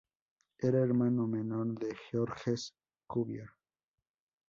Era hermano menor de Georges Cuvier.